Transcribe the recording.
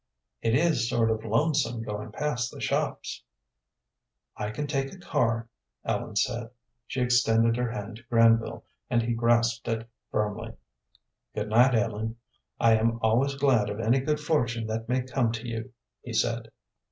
"It is sort of lonesome going past the shops." "I can take a car," Ellen said. She extended her hand to Granville, and he grasped it firmly. "Good night, Ellen; I am always glad of any good fortune that may come to you," he said.